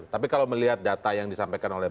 tapi kalau melihat data yang disampaikan oleh